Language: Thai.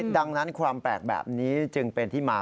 ดังนั้นความแปลกแบบนี้จึงเป็นที่มา